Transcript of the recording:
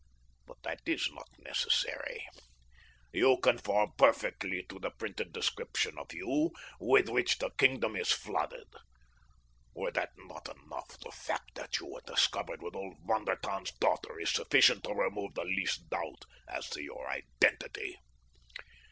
But that is not necessary—you conform perfectly to the printed description of you with which the kingdom is flooded. Were that not enough, the fact that you were discovered with old Von der Tann's daughter is sufficient to remove the least doubt as to your identity."